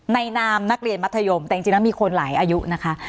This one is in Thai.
นามนักเรียนมัธยมแต่จริงแล้วมีคนหลายอายุนะคะ